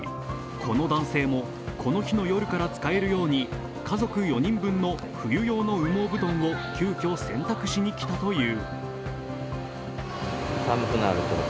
この男性も、この日の夜から使えるように家族４人分の冬用の羽毛布団を急きょ洗濯しに来たという。